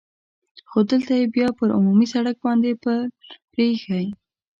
خو دلته یې بیا پر عمومي سړک باندې پل پرې اېښی.